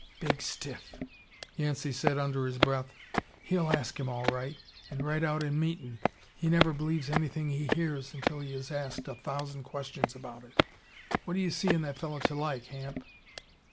"Big stiff!" Yancey said under his breath. "He'll ask him, all right, and right out in meetin'. He never believes anything he hears until he has asked a thousand questions about it. What do you see in that fellow to like, Hamp?"